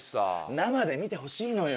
生で見てほしいのよ。